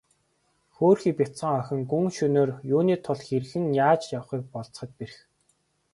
Хөөрхий бяцхан охин гүн шөнөөр юуны тул хэрхэн яаж явахыг болзоход бэрх.